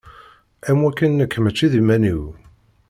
Am wakken nekk mačči d iman-iw.